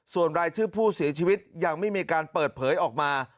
ส่วนรายชื่อผู้เสียชีวิตยังไม่มีการเปิดเผยออกมา